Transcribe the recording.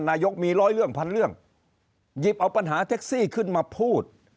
นายกมีร้อยเรื่องพันเรื่องหยิบเอาปัญหาแท็กซี่ขึ้นมาพูด